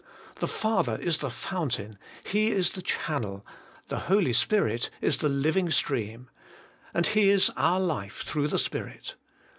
The Father is the fountain, He is the channel ; the Holy Spirit is the living stream. And He is our Life, through the Spirit.